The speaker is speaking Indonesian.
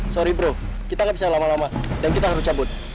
sorry bro kita gak bisa lama lama dan kita harus cabut